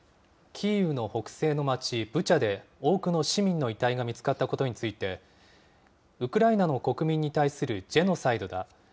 キーウの北西の町ブチャで多くの市民の遺体が見つかったことについて、ウクライナの国民に対するジェノサイドだ。